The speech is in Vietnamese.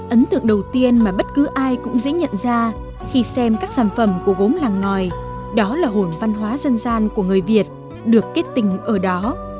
ấn tượng đầu tiên mà bất cứ ai cũng dễ nhận ra khi xem các sản phẩm của gốm làng ngòi đó là hồn văn hóa dân gian của người việt được kết tình ở đó